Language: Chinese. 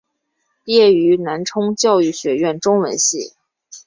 毕业于南充教育学院中文系。